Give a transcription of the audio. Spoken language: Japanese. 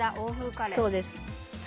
そうです。